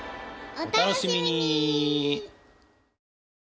お楽しみに！